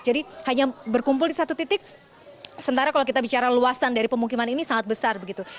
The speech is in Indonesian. jadi hanya berkumpul di satu titik sementara kalau kita bicara luasan dari pemungkiman ini sangat besar begitu